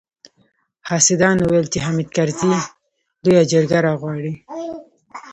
حاسدانو ويل چې حامد کرزي لويه جرګه راغواړي.